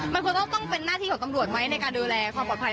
มันควรต้องเป็นหน้าที่ของตำรวจไหมในการดูแลความปลอดภัย